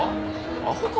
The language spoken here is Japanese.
アホか？